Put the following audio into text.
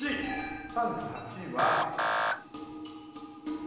３８は。